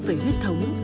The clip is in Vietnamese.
về huyết thống